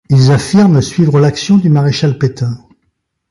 Ils affirment suivre l'action du maréchal Pétain.